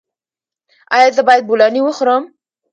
ایا زه باید بولاني وخورم؟